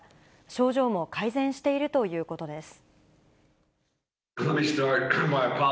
症状も改善しているということです。